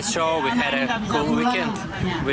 pembentukan yang bagus kita menikmati